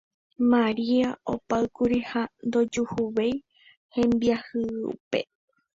Maria opáykuri ha ndojuhuvéi hembiayhúpe